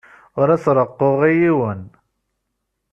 Ur as-reqquɣ i yiwen.